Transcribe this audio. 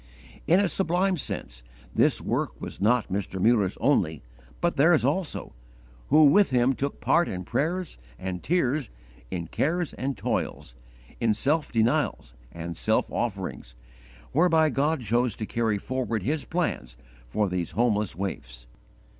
In a sublime sense this work was not Mr. Mullers only, but theirs also, who with him took part in prayers and tears, in cares and toils, in self denials and self offerings, whereby God chose to carry forward His plans for these homeless waifs!